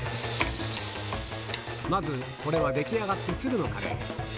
まず、これは出来上がってすぐのカレー。